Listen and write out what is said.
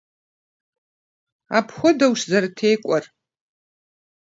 Апхуэдэущ зэрытекӏуэр!